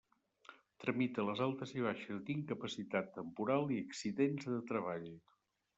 Tramita les altes i baixes d'incapacitat temporal i accidentes de treball.